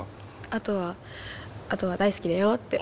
あとはあとは大好きだよって。